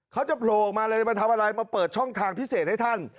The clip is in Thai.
โผล่ออกมาเลยมาทำอะไรมาเปิดช่องทางพิเศษให้ท่าน